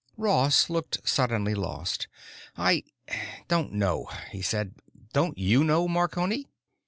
Ross looked suddenly lost. "I—don't know," he said. "Don't you know, Marconi?"